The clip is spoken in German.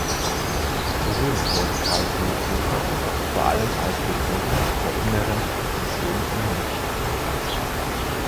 Berühmt wurde Karl Buchrucker vor allem als Begründer der Inneren Mission in München.